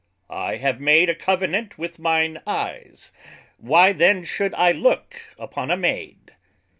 _I have made a Covenant with my eyes, why then should I look upon a maid?